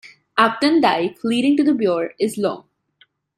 Upton Dyke, leading to the Bure, is long.